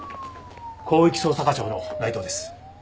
広域捜査課長の内藤です。